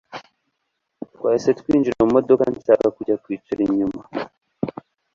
Twahise twinjira mu modoka nshaka kujya kwicara inyuma